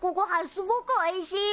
すごくおいしいよ。